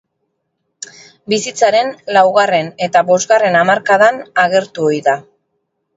Bizitzaren laugarren eta bosgarren hamarkadan agertu ohi da.